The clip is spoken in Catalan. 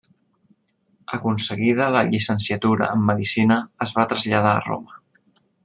Aconseguida la llicenciatura en medicina es va traslladar a Roma.